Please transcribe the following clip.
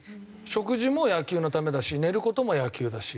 食事も野球のためだし寝る事も野球だし。